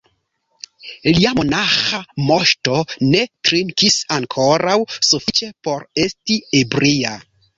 Lia monaĥa Moŝto ne trinkis ankoraŭ sufiĉe por esti ebria.